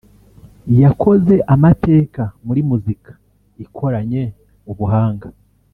yakoze amateka muri muzika ikoranye ubuhanga